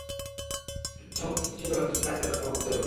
স্বচ্ছ মাধ্যম হিসেবে আমরা স্বচ্ছ কাচের কথা ভাবতে পারি।